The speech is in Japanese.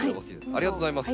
ありがとうございます。